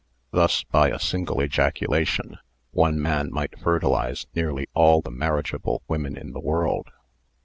(Thus by a single ejacula tion one man might fertilise nearly all the marriage able women in the world!)